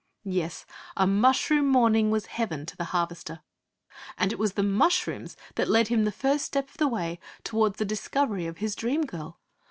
Yes, a mushroom morning was heaven to the Harvester. And it was the mushrooms that led him the first step of the way towards the discovery of his dream girl.